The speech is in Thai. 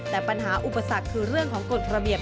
แต่ปัญหาอุปสรรคคือเรื่องของกฎระเบียบ